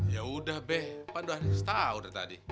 yaudah be panduannya setah udah tadi